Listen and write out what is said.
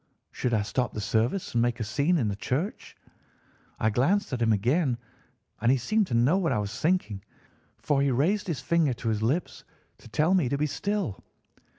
Should I stop the service and make a scene in the church? I glanced at him again, and he seemed to know what I was thinking, for he raised his finger to his lips to tell me to be still.